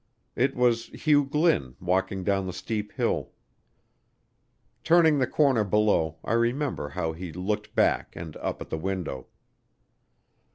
It was Hugh Glynn walking down the steep hill. Turning the corner below, I remember how he looked back and up at the window.